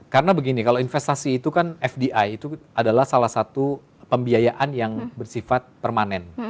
karena begini kalau investasi itu kan fdi itu adalah salah satu pembiayaan yang bersifat permanen